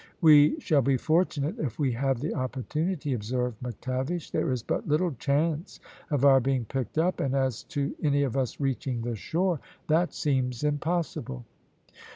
"We shall be fortunate if we have the opportunity," observed McTavish. "There is but little chance of our being picked up, and as to any of us reaching the shore that seems impossible."